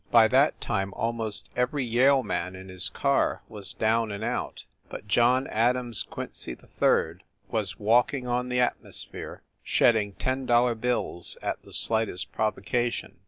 By that time almost every Yale man in his car was down and out, but John Adams Quincy 3d was walking on the atmosphere, shedding $10 bills at the slightest provocation.